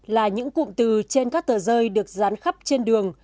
là những cụm từ trên các tờ rơi được dán khắp trên đường